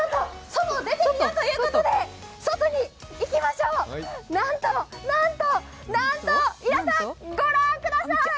外出てみようということで外に行きましょう、なんと、なんと皆さん御覧ください。